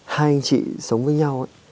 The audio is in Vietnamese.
hai anh chị sống với nhau